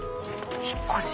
引っ越し？